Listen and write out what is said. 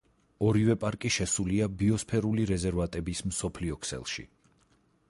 ორივე პარკი შესულია ბიოსფერული რეზერვატების მსოფლიო ქსელში.